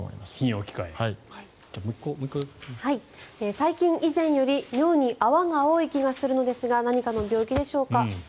最近、以前より尿に泡が多い気がするのですが何かの病気でしょうか？